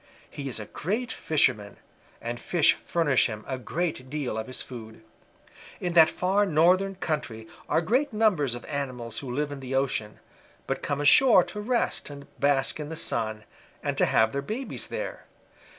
He is a great fisherman, and fish furnish him a great deal of his food. In that far northern country are great numbers of animals who live in the ocean, but come ashore to rest and bask in the sun, and to have their babies there.